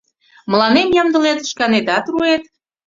Мыланем ямдылет, шканетат руэт...